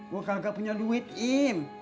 gue kagak punya duit im